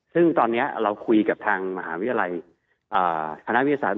ซึ่งตอนนี้เราคุยกับทางมหาวิทยาลัยคณะวิทยาศาสตร์